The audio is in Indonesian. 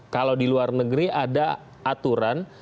kalau di luar negeri ada aturan